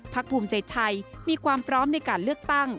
ภูมิใจไทยมีความพร้อมในการเลือกตั้ง